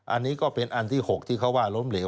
อันนี้ก็เป็นอันที่๖ที่เขาว่าล้มเหลว